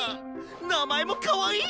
名前もかわいい！